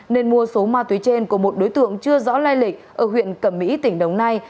nên mua số ma túy trên của một đối tượng chưa rõ lai lịch ở huyện cẩm mỹ tỉnh đồng nai